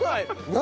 何？